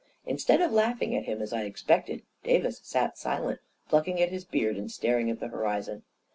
Instead of laughing at him, as I ex pected, Davis sat silent, plucking at his beard, and staring at the horizon.